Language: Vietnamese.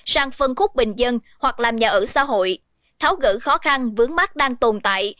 sang phân khúc bình dân hoặc làm nhà ở xã hội tháo gỡ khó khăn vướng mắt đang tồn tại